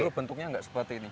dulu bentuknya nggak seperti ini